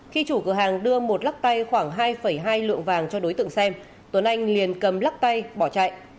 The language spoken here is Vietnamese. khi chủ cửa hàng đưa một lắc tay khoảng hai hai lượng vàng cho đối tượng xem tuấn anh liền cầm lắc tay bỏ chạy